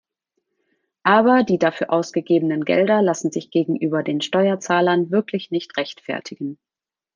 Aber die dafür ausgegeben Gelder lassen sich gegenüber den Steuerzahlern wirklich nicht rechtfertigen.